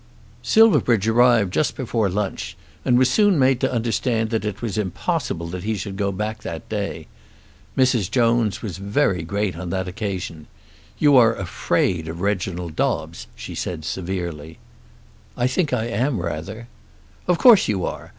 Silverbridge arrived just before lunch, and was soon made to understand that it was impossible that he should go back that day. Mrs. Jones was very great on that occasion. "You are afraid of Reginald Dobbes," she said severely. "I think I am rather." "Of course you are.